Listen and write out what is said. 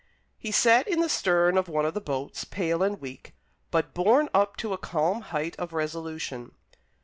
He sat in the stern of one of the boats, pale and weak, but borne up to a calm height of resolution.